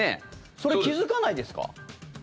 それ、気付かないですか？